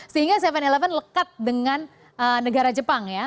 sehingga tujuh eleven lekat dengan negara jepang ya